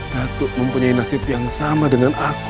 datuk mempunyai nasib yang sama dengan aku